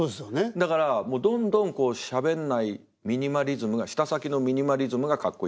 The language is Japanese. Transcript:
だからどんどんしゃべんないミニマリズムが舌先のミニマリズムがかっこいい。